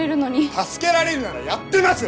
助けられるならやってます！